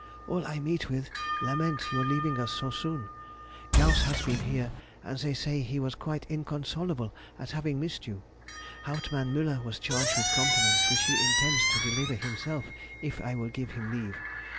All I meet with lament your leaving us so soon. Gauss has been here, and they say he was quite inconsolable at having missed you. Hauptmann Müller was charged with compliments, which he intends to deliver himself if I will give him leave.